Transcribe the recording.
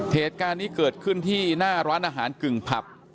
เหตุการณ์นี้เกิดขึ้นที่หน้าร้านอาหารกึ่งผับ